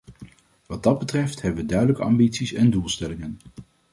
Wat dat betreft, hebben we duidelijke ambities en doelstellingen.